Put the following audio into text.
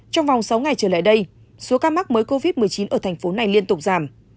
trong vòng sáu ngày trở lại đây số ca mắc mới covid một mươi chín ở thành phố này liên tục giảm